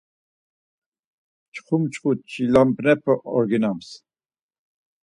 Mçxu mçxu çilamrepe orginams.